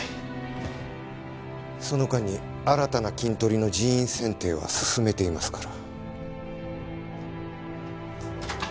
その間に新たなキントリの人員選定は進めていますから。